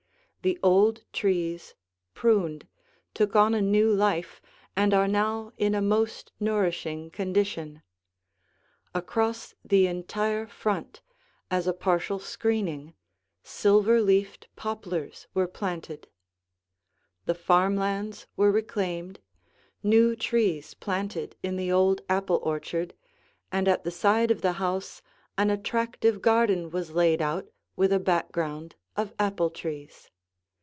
The old trees, pruned, took on a new life and are now in a most nourishing condition; across the entire front, as a partial screening, silver leafed poplars were planted. The farm lands were reclaimed, new trees planted in the old apple orchard, and at the side of the house an attractive garden was laid out with a background of apple trees.